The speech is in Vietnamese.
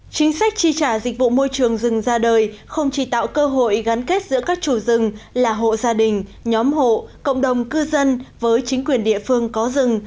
chính sách tri trả dịch vụ môi trường rừng ra đời không chỉ tạo cơ hội gắn kết giữa các chủ rừng là hộ gia đình nhóm hộ cộng đồng cư dân với chính quyền địa phương có rừng